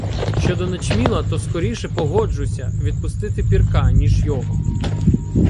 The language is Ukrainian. Щодо начміла, то скоріше погоджуся відпустити Пірка, ніж його.